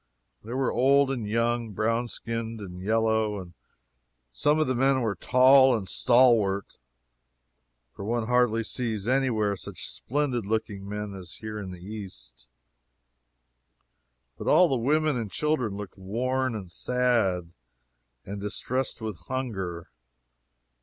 There were old and young, brown skinned and yellow. Some of the men were tall and stalwart, (for one hardly sees any where such splendid looking men as here in the East,) but all the women and children looked worn and sad, and distressed with hunger.